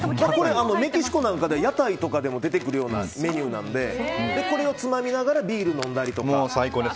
メキシコなんかでは屋台なんかでも出てくるメニューなのでこれをつまみながらビール飲んだりとか。